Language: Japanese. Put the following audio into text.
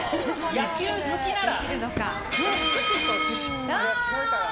野球好きなら。